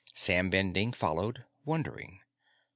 Sam Bending followed, wondering.